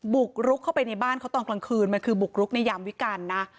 บุกรุกเข้าไปในบ้านเขาตอนกลางคืนมันคือบุกรุกในยามวิการนะ